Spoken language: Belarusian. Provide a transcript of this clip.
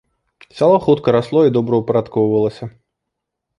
Сяло хутка расло і добраўпарадкоўвалася.